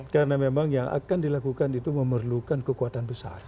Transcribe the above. karena memang yang akan dilakukan itu memerlukan kekuatan besar